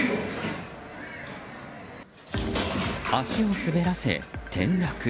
足を滑らせ転落。